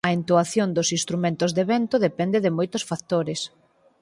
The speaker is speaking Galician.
A entoación dos instrumentos de vento depende de moitos factores.